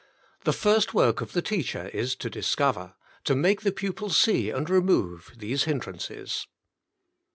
The first work of the teacher is to discover, to make the pupil see and remove, these hindrances.